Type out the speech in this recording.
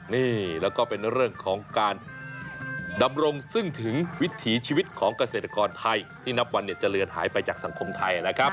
นี่แล้วก็เป็นเรื่องของการดำรงซึ่งถึงวิถีชีวิตของเกษตรกรไทยที่นับวันจะเลือนหายไปจากสังคมไทยนะครับ